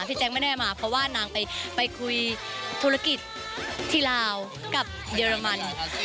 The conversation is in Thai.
แจ๊คไม่แน่มาเพราะว่านางไปคุยธุรกิจที่ลาวกับเยอรมัน